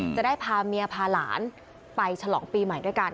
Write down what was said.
จะได้พาเมียพาหลานไปฉลองปีใหม่ด้วยกัน